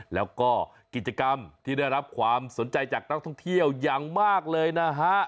แล้วก็กิจกรรมที่ได้รับความสนใจจากนักท่องเที่ยวอย่างมากเลยนะฮะ